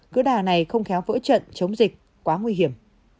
cứ đà này không khéo vỡ trận chống dịch quá nguy hiểm